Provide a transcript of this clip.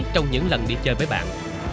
trong những lần đi chơi với bạn